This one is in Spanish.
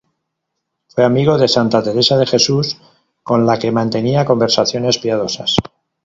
Fue amigo de Santa Teresa de Jesús, con la que mantenía conversaciones piadosas.